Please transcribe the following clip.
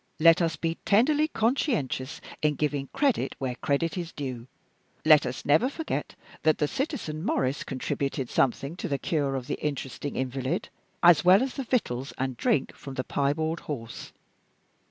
let us be tenderly conscientious in giving credit where credit is due; let us never forget that the citizen Maurice contributed something to the cure of the interesting invalid, as well as the victuals and drink from the Piebald Horse.